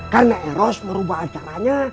karena eros merubah acaranya